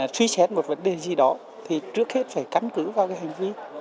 suy chét một vấn đề gì đó thì trước hết phải cắn cứ vào cái hành vi